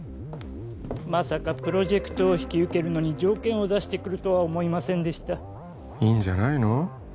まさかプロジェクトを引き受けるのに条件を出してくるとは思いませんでしたいいんじゃないの？